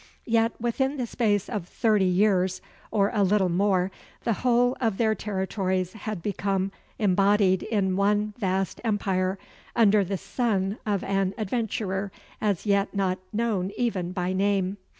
Yet within the space of thirty years, or a little more, the whole of their territories had become embodied in one vast empire, under the son of an adventurer as yet not known even by name.